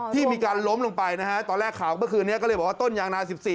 ที่มีการล้มลงไปนะฮะตอนแรกข่าวเมื่อคืนนี้ก็เลยบอกว่าต้นยางนา๑๔